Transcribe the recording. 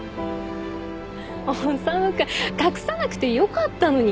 修君隠さなくてよかったのに。